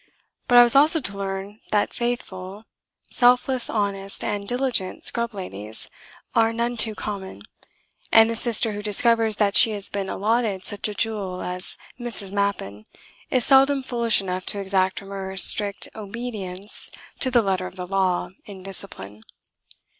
But I was also to learn that faithful, selfless, honest, and diligent scrub ladies are none too common; and the Sister who discovers that she has been allotted such a jewel as Mrs. Mappin is seldom foolish enough to exact from her a strict obedience to the letter of the law in discipline.